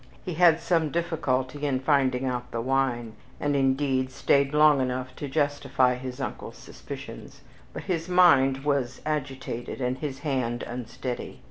He had some difficulty in finding out the wine, and indeed stayed long enough to justify his uncle's suspicions, but his mind was agitated, and his hand unsteady.